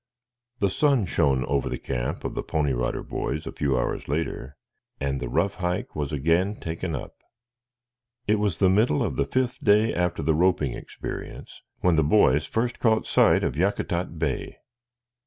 The sun shone over the camp of the Pony Rider Boys a few hours later, and the rough hike was again taken up. It was the middle of the fifth day after the roping experience when the boys first caught sight of Yakutat Bay.